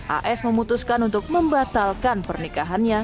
as memutuskan untuk membatalkan pernikahannya